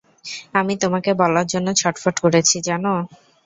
আমি তোমাকে বলার জন্য ছটফট করেছি, জানো!